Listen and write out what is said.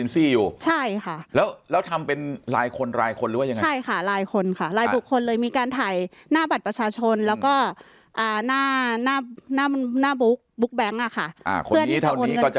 ฝานหน้าบุ๊กแบงค์อะค่ะ